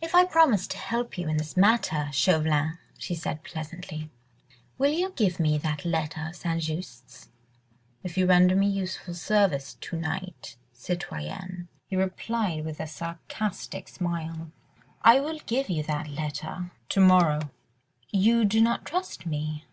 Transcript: "If I promise to help you in this matter, Chauvelin," she said pleasantly, "will you give me that letter of St. Just's?" "If you render me useful assistance to night, citoyenne," he replied with a sarcastic smile, "I will give you that letter ... to morrow." "You do not trust me?"